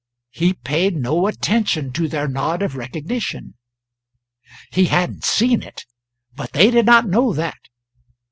He paid no attention to their nod of recognition! He hadn't seen it; but they did not know that.